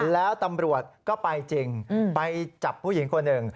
แล้วตำรวจก็ไปจริงไปจับผู้หญิงคนหนึ่ง